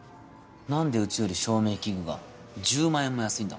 なんでうちより照明器具が１０万円も安いんだ？